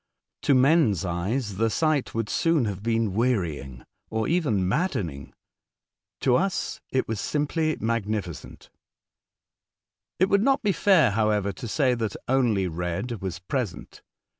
To men's eyes the sight would soon have been wearying, or even maddening ; to us it was simply magnificent. It would not be fair, however, to say that only red was present.